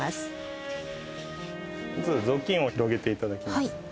まず雑巾を広げて頂きます。